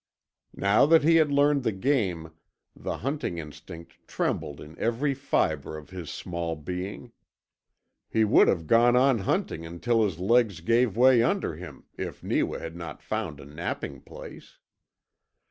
Now that he had learned the game, the hunting instinct trembled in every fibre of his small being. He would have gone on hunting until his legs gave way under him if Neewa had not found a napping place.